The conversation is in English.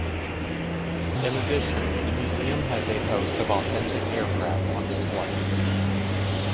In addition the museum has a host of authentic aircraft on display.